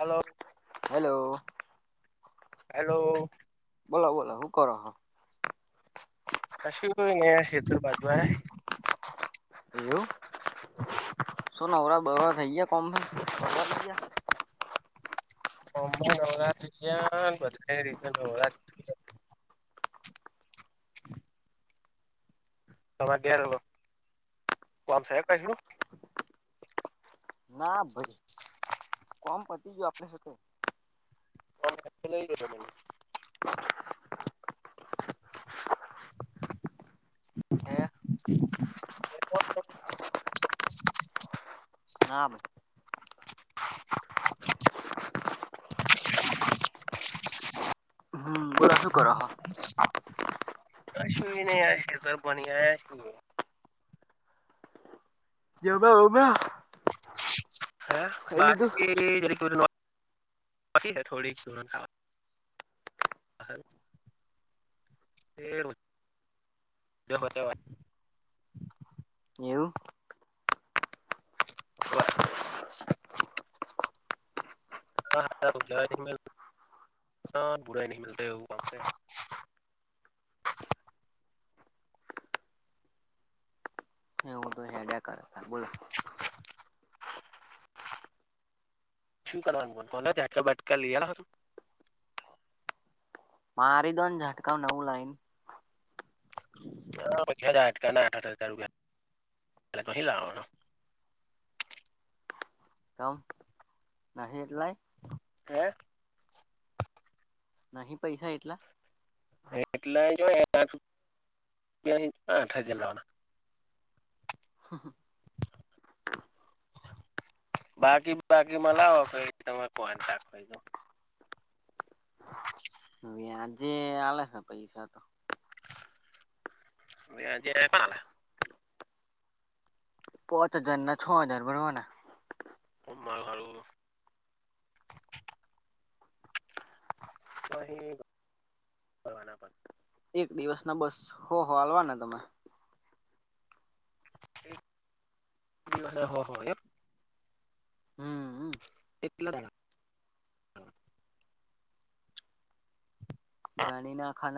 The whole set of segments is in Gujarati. હલો હેલો હેલો બોલો બોલો હું કરો હો? કશું નહીં હે, ખેતર બાજુ આયા. એવું? શું નવરા બવરા થઇ ગયા કોમથી? પરવારી ગયા? કોમમાં એ નવરા થઈ ગયા ને. બધી રીતે નવરા થઈ ગયા. તમારે ઘેર ઓલું કોમ છે ખેતનું? ના ભઈ કોમ પતી ગયો આપણે હકે. [inaudible] હે [unintelligible] ના ભઈ હમ બોલો શું કરો છો [unintelligible] કશું એ નહીં આ ખેતર પાણી આયા છીએ. [inaudible] હે ખાઈ લીધું બાકી જરીક ઓલી [inaudible] હતી ને થોડીક સુગંધ આવે [inaudible] એ રોજ બચાવવા. એવું? વાહ! [inaudible] બુરાઈ એ ની મિલતા એવું કામ છે. એવું તો હેડયા કરે તારે બોલો. શું કરવાનું મને કોને ઝાટકા બાટકા લી આલવાનું? મારી દોન ઝાટકાવ નવું લાઈ ન. અ પછી ઝાટકા ના આઠ-આઠ હજાર રૂપિયા તો ક્યાંથી લાવવાનો? કમ નહી એટલાય? હે? નહી પૈસા એટલા? એટલા આઠિયા આઠ હજાર લાવના. હમ હમ બાકી બાકીમાં લાવો પ તમે ફોન સાફ કરી દઉં. ઓ વ્યાજે આલે હે પૈસા તો. વ્યાજે ના આલે. પોચ હજારને છ હજાર બરોબર ને? [inaudible] [unintelligible] એક દિવસ ના બસ હો હો આલવા ને તમે બધાને હો હો એમ? હમ અ કેટલા દાડા? ગણી નાખો ન.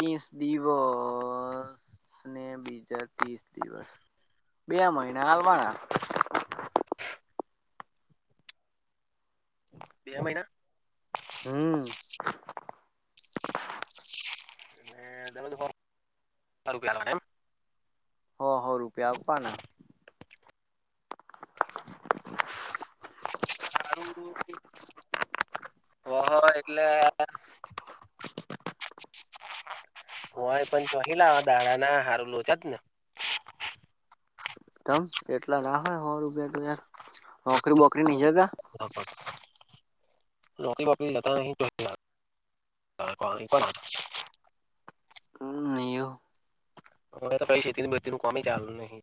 તીસ દિવસને બીજા તીસ દિવસ. બે મહિના આલવાના. બે મહિના હમ [unintelligible] હો હો રૂપિયા આપવાના સારુ હોહો એટલે હોય પણ ચલા દાણા ના હારૂ લોચા જ ને તમ એટલા ના હો રૂપિયા તો યાર નોકરી બોકરી ની જતા બરોબર નોકરી બોકરી જાતા નહિ [unintelligible] નિયુ હવે તો પછી છેેતી બજતી નું કામ ચાલ નહી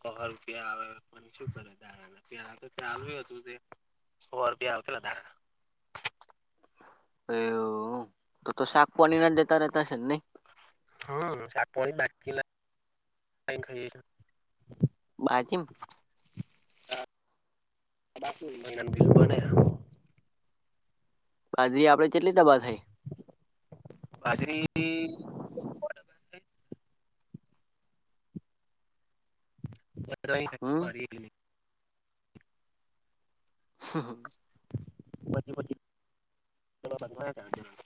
હો રૂપિયા આવે પણ શું કરે તા [unintelligible] એવું તો તો શાક પોણી ના જતા રહેતાશે નહી હમાં સાક પોણી બાકીના [unintelligible] બાજીમ [unintelligible] બાછી આપડે કેટલી દબા થાય બાજરી હમ [unintelligible] હમ હમ મજી મજી [unintelligible]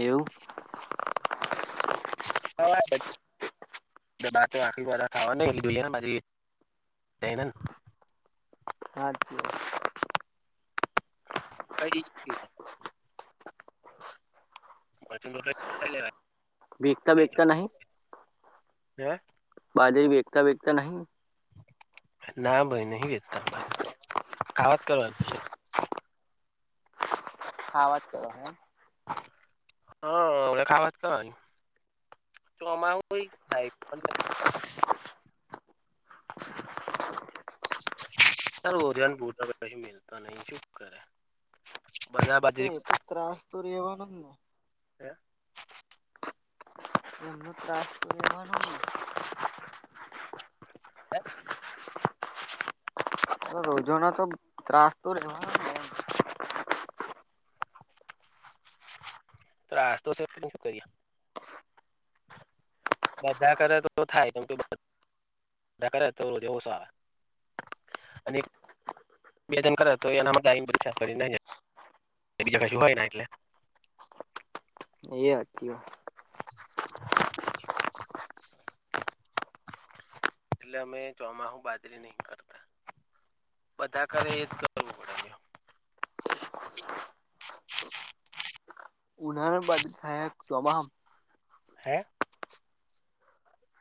એવું [unintelligible] [unintelligible] હાચી વાત [unintelligible] [unintelligible] વેકતા બેગતા નહી બાજરી વેકતા બેગતા નહી ના ભાઈ નહી વેચતા બાજ ખાવા જ કરવાની છે ખાવાજ કરવા એમ હા [unintelligible] ચોમાવું થાય [unintelligible] તે બાજરી તો ત્રાસ તો રહેવાનો જ ને એનું ત્રાસ્ટ [inaudible] હે રોજોના તો ત્રાસ તો રહેવાનો ત્રાસ તો શે કરીયે [unintelligible] અને બેજન કરે તો એનામાં દા બધી સાફ કરી બીજા ક શું હોય ને એટલે એ હાચી વા [inaudible] એટલે અમે ચોમાસુ બાજરી નહી કરતા બધા કરે એ જ તો જરૂર [unintelligible] ઉનાળામાં બાજરી થાય ચોમાસ હે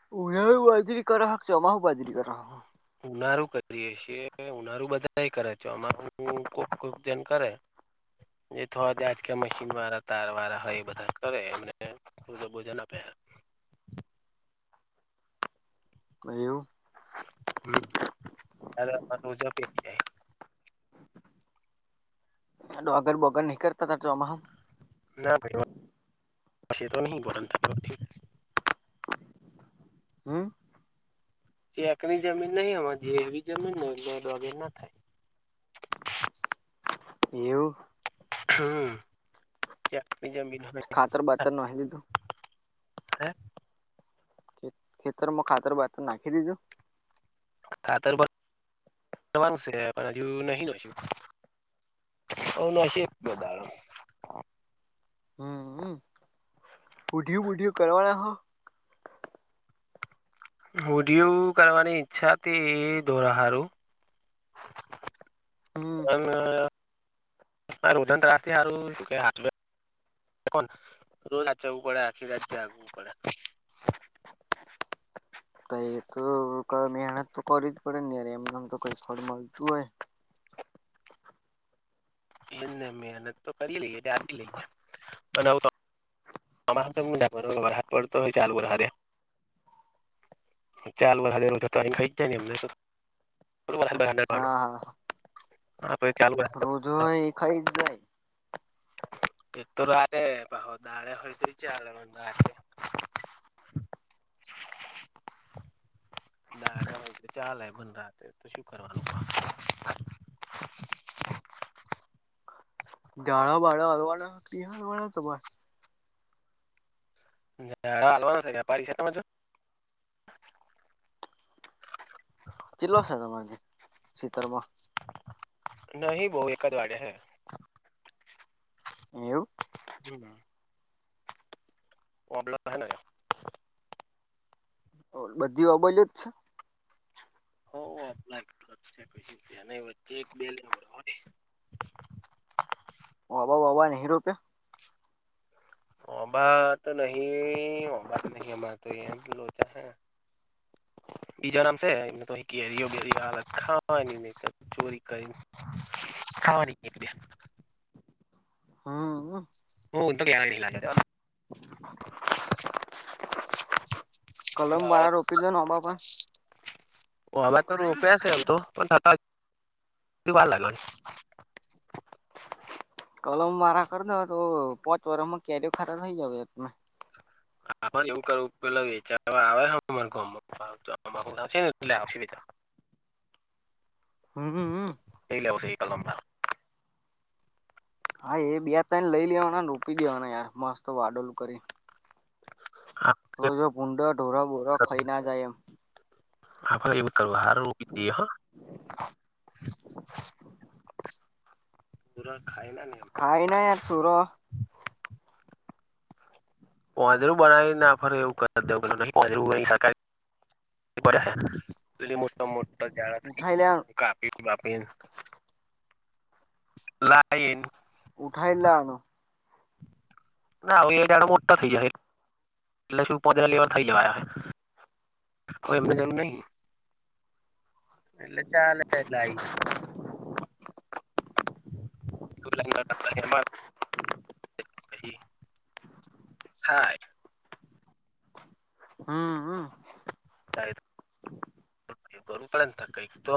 [unintelligible] ઉનારું કરીએ છી ઉનારુ બધા કરે છે અમાર કોબ કોબ જન કરે જે થોડા આજકા મશીન વાળા તાર વાળા હોય બધા કરે એમને [unintelligible] [unintelligible] [unintelligible] ડૉગર બોગર નહીં કરતા હતા [unintelligible] ના ભાઈ [unintelligible] હમ્મ ચેકની જમીન નહી અમાં જે એવી જમીન હોય ડાંગર વગેર ના થાય. એવું હમ્મ ખાતર [unintelligible] બાતર નાખી દીધું [unintelligible] ખેતરમાં ખાતર બાતર નાખી દીધું ખાતર પણ [unintelligible] ઓ નસીબ બધાના હમ્મ બૂઢિયું બુઢિયુ કરવાના હો [unintelligible] કરવાની ઈચ્છા હતી એ [unintelligible] [inaudible] હમ [unintelligible] રોજ હાચવું પડે આખી રાત જાગવું પડે તો એ તો ક મહેનત તો કરવી જ પડે નેય એમનેમ તો કઈ ફળ મળતું હોય. એને મેહનત તો કરી લઈએ આડી લઈએ. [unintelligible] હા હા [unintelligible] [unintelligible] રોજો હોય એ ખઈ જ જાય. એક તો રાતે પાહો દાડે હોય તોય ચાલે [unintelligible] [inaudible] [unintelligible] રાતે તો શું કરવાનું [unintelligible] [unintelligible] [unintelligible] નહી બહ એકદ વાડે હે. એવુ હમ્મ. [unintelligible] બધી અબોલ જ છે. [unintelligible] [unintelligible] ઓબાત નહી ઓબત નહી અમારે તો એ લોચા થયા [unintelligible] [unintelligible] ચોરી કરીને [unintelligible] હમ્મ. [unintelligible] [inaudible] કલમ વાળા રોપી દો ને ઓબા પણ [unintelligible] [unintelligible] [unintelligible] [unintelligible] [unintelligible] [unintelligible] હા એ બે તને લઈ લેવાના રૂપી દેવાના યાર મસ્ત વાડોલું કરી રોજો ભૂંડો ઢોરા બોરા ખાઈ ના જાય એમ [unintelligible] ઢોરો ખાય ના ન હા એના એ ઢોરો પોંજરુ બનાવી ના ફરે એવું કર દવ [unintelligible] મોટ મોટા જાડા ઉઠાઈ લે કાપી કાપી ન લાયી ઉઠાઇન લાવવાનું ના આવ એ ઝાડો મોટા થઇ જશે એટલે શું પોજરા લેવલ થઇ જાહે હવે એમને જવું નહી એટલે ચાલે [unintelligible] હા. હમ. પણ કંઈક તો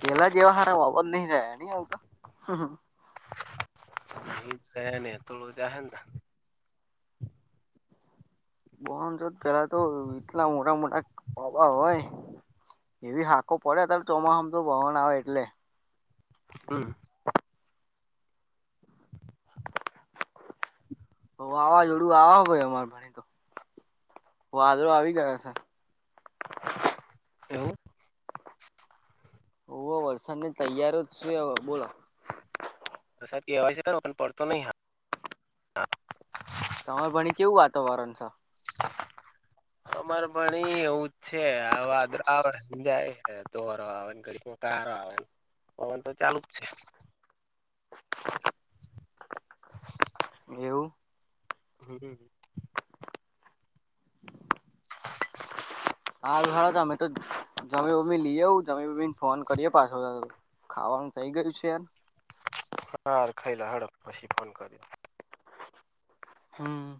પેલા જેવા સારા ઓબો નહીં રયા આમતો [unintelligible] [unintelligible] બોન પેલા તો એટલા મોટા મોટા પવા હોય. એવી હાકો પડે અત્યારે ચોમાસામાં તો પવન આવે એટલે હમ હ વાવાઝોડું આવા હોય અમારે ભણી તો વાદળો આવી ગયા છે. એવું. ઓ વરસાદની તૈયારી શે હવે બોલો વરસાદ કહેવાય છે ખરો પણ પડતો નહી હારો તમાર ભણી કેવું વાતાવરણ શ અમારે ભણી એવું જ છે આ વાદળ આવે જાય તો કાર આવે પવન તો ચાલુ જ છે. છે એવું. હમ. હા અમે તો જમી બમી લઈએ આવ જમી બમી ને ફોન કરીએ પાછો. ખાવાનું થઇ ગયું છે. હાર ખાઈ લો હેડો પછી ફોન કરો. હમ.